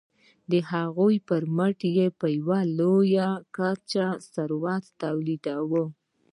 د هغوی پرمټ یې په لویه کچه ثروت تولیداوه.